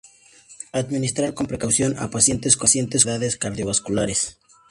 Administrar con precaución a pacientes con enfermedades cardiovasculares.